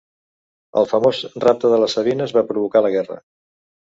El famós rapte de les sabines va provocar la guerra.